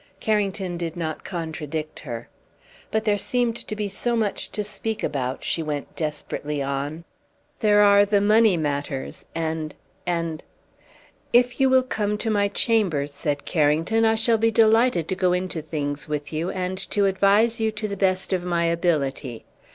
Carrington did not contradict her. "But there seemed so much to speak about," she went desperately on. "There are the money matters and and " "If you will come to my chambers," said Carrington, "I shall be delighted to go into things with you, and to advise you to the best of my ability.